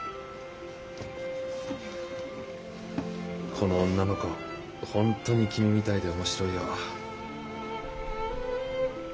この女の子本当に君みたいで面白いよ。